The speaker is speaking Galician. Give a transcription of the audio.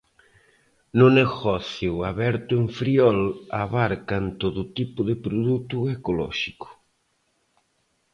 No negocio aberto en Friol abarcan todo tipo de produto ecolóxico.